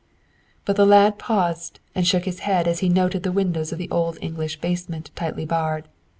But the lad paused and shook his head as he noted the windows of the old English basement tightly barred.